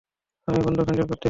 আমি বন্দুক হ্যান্ডেল করতেছি।